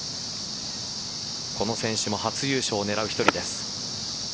この選手も初優勝を狙う１人です。